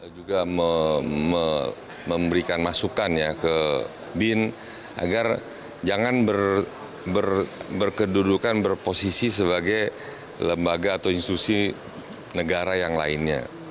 juga memberikan masukan ke bin agar jangan berkedudukan berposisi sebagai lembaga atau institusi negara yang lainnya